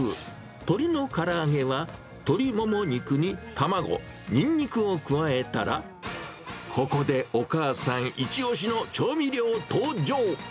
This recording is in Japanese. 鶏のから揚げは鶏もも肉に卵、にんにくを加えたら、ここでお母さん一押しの調味料登場。